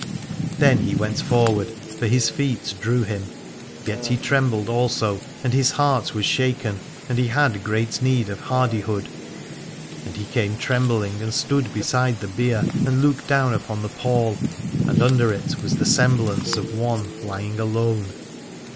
Then he went forward, for his feet drew him ; yet he trembled also and his heart was shaken, and he had great need of hardi hood. And he came trembling and stood beside the bier and looked down upon the pall : and under it was the semblance of one lying alone.